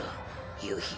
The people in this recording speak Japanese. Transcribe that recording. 夕日。